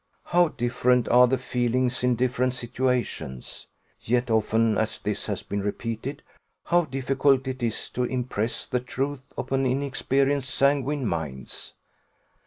How different are the feelings in different situations! Yet often as this has been repeated, how difficult it is to impress the truth upon inexperienced, sanguine minds!